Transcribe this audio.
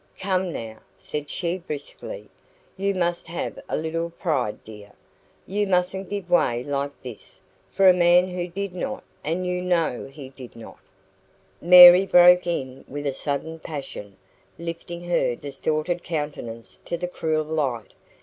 "Come now," said she briskly, "you must have a little pride, dear. You mustn't give way like this for a man who did not and you know he did not " Mary broke in with sudden passion, lifting her distorted countenance to the cruel light.